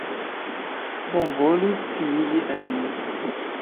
Bonvolu sciigi al ni.